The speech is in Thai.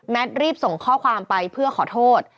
รีบส่งข้อความไปเพื่อขอโทษ